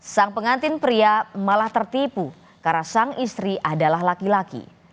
sang pengantin pria malah tertipu karena sang istri adalah laki laki